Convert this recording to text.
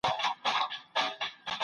ده ویله نه طالب یم نه ویلی مي مکتب دی